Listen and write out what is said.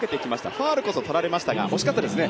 ファウルこそとられましたけど惜しかったですね。